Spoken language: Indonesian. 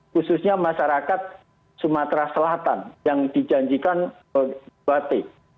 khususnya masyarakat sumatera selatan yang dijanjikan dua t